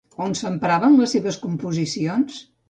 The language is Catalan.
On s'empraven les seves composicions?